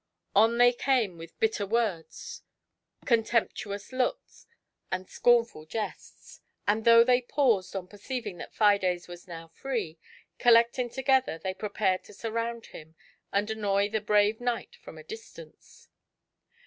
On they came with "bitter words," contemptuous GIANT HATE. looks, and scornful jests ; and though they paused on perceiving that Fides was now free, collecting together they prepared to surround him, and annoy the brave knight from a distance.